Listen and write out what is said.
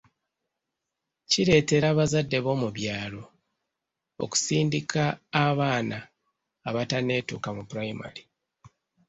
Kireetera abazadde b’omu byalo okusindika abaana abatanneetuuka mu pulayimale.